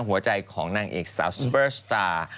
หัวใจของนางเอกสาวซุปเปอร์สตาร์